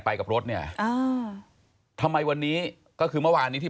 ไปคุยไปวางแผนกันไง